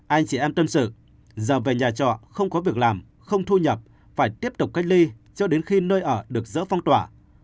anh chị em tâm sự giờ về nhà trọ không có việc làm không thu nhập phải tiếp tục cách ly cho đến khi nơi ở được dỡ phong tỏa